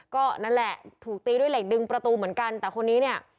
ก็นั่นแหละถูกตีด้วยเหล็กดึงประตูเหมือนกันแต่คนนี้เนี่ย